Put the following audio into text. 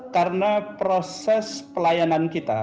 karena proses pelayanan kita